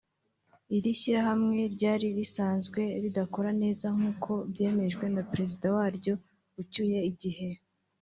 Iri shyirahamwe ryari risanzwe ridakora neza nk’uko byemejwe na Perezida waryo ucyuye igihe